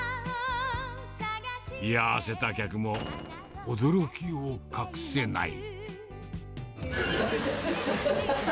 居合わせた客も驚きを隠せない。